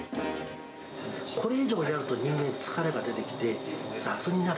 これ以上やると、疲れが出てきて、雑になる。